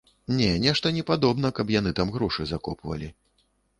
Не, нешта не падобна, каб яны там грошы закопвалі.